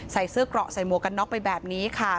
ใส่เสื้อเกราะใส่หมวกกันน็อกไปแบบนี้ค่ะ